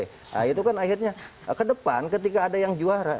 nah itu kan akhirnya kedepan ketika ada yang juara